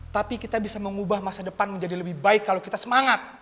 tapi kita bisa mengubah masa depan menjadi lebih baik kalau kita semangat